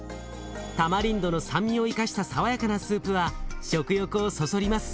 タマリンドの酸味を生かした爽やかなスープは食欲をそそります。